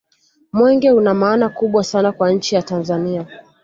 mwenge una maana kubwa sana kwa nchi ya tanzania